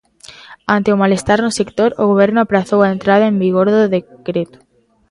Ante o malestar no sector, o Goberno aprazou a entrada en vigor do decreto.